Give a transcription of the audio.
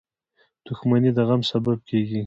• دښمني د غم سبب کېږي.